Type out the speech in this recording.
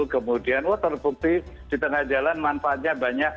kemudian oh terbukti di tengah jalan manfaatnya banyak